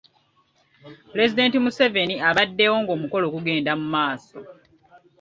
Pulezidenti Museveni abaddewo ng'omukolo gugenda mu maaso.